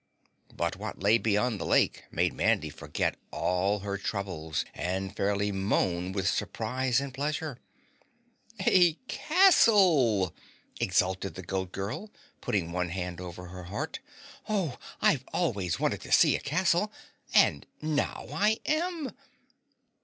But what lay beyond the lake made Mandy forget all her troubles and fairly moan with surprise and pleasure. "A CASTLE!" exulted the Goat Girl, putting one hand above her heart. "Oh! I've always wanted to see a castle and now I AM."